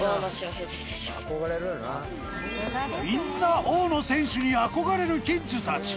みんな大野選手に憧れるキッズたち